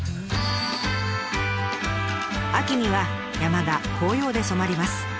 秋には山が紅葉で染まります。